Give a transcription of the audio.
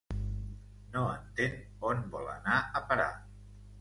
No entén on vol anar a parar.